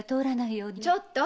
ちょっと！